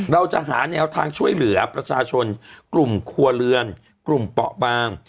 เราจะหาแนวทางช่วยเหลือประชาชนกลุ่มครัวเรือนกลุ่มเปาะบาง